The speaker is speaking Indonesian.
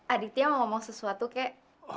aditya mau ngomong sesuatu kayak